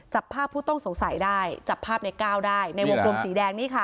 จับภาพผู้ต้องสงสัยได้จับภาพในก้าวได้ในวงกลมสีแดงนี่ค่ะ